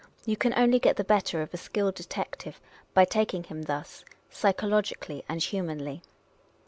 You can only get the better of a skilled detective by taking him thus, psychologically and humanly.